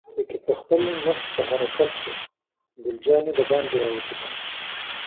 بګۍ پخپله مخ په حرکت شوه، ګل جانې دباندې را وکتل.